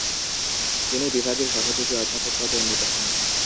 তিনি বিভাগের সহযোগী অধ্যাপক পদে উন্নীত হন।